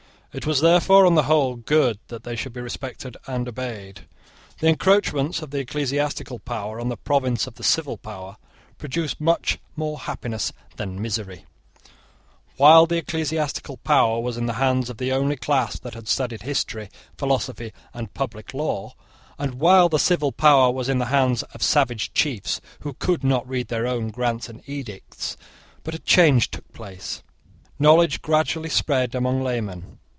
It was, therefore, on the whole, good that they should be respected and obeyed. The encroachments of the ecclesiastical power on the province of the civil power produced much more happiness than misery, while the ecclesiastical power was in the hands of the only class that had studied history, philosophy, and public law, and while the civil power was in the hands of savage chiefs, who could not read their own grants and edicts. But a change took place. Knowledge gradually spread among laymen.